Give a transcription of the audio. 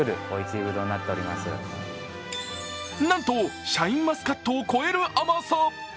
なんとシャインマスカットを超える甘さ。